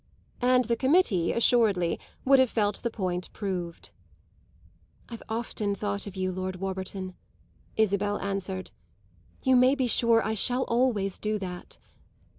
And the committee, assuredly, would have felt the point proved. "I've often thought of you, Lord Warburton," Isabel answered. "You may be sure I shall always do that."